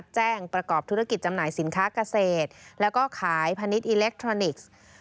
ประกอบธุรกิจจำหน่ายสินค้าเกษตรแล้วก็ขายพาณิชอิเล็กทรอนิกส์